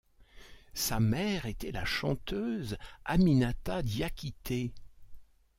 Sa mère était la chanteuse Aminata Diakité.